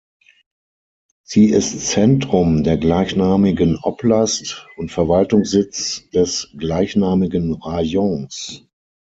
Sie ist Zentrum der gleichnamigen Oblast und Verwaltungssitz des gleichnamigen Rajons.